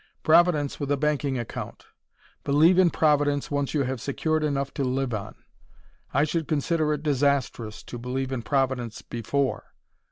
Providence with a banking account. Believe in Providence once you have secured enough to live on. I should consider it disastrous to believe in Providence BEFORE.